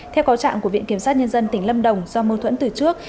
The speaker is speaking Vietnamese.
theo có trạng của viện kiểm sát nhân dân tỉnh lâm đồng do mâu thuẫn từ trước